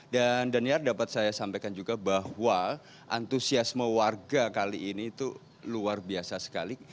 dan daniar dapat saya sampaikan juga bahwa antusiasme warga kali ini itu luar biasa sekali